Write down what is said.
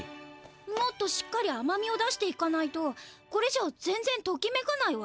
もっとしっかりあまみをだしていかないとこれじゃあぜんぜんときめかないわ。